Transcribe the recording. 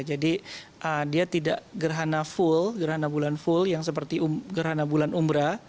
jadi dia tidak gerhana full gerhana bulan full yang seperti gerhana bulan umbra